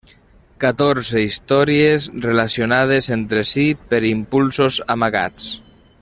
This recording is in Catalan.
Catorze històries relacionades entre si per impulsos amagats.